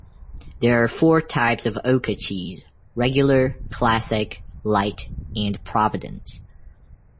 There are four types of Oka cheese, "regular", "classic", "light" and "providence".